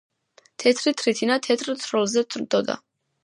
თეთრი თრითინა თეთრ თრთოლზე თროდა